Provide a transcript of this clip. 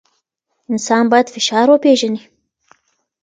انسان باید فشار وپېژني.